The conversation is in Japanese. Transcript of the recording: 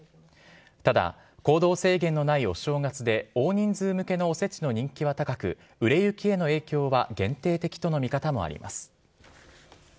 ただ、行動制限のないお正月で大人数向けのおせちの人気は高く売れ行きへの影響は限定的との見方もあります。